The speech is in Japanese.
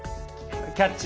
「キャッチ！